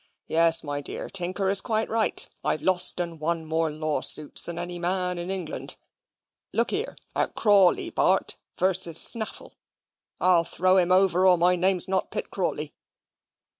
"Yes; my dear, Tinker is quite right: I've lost and won more lawsuits than any man in England. Look here at Crawley, Bart. v. Snaffle. I'll throw him over, or my name's not Pitt Crawley.